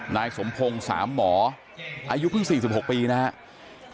นายสมพงศ์๓หมออายุเพิ่ง๔๖ปีนะครับ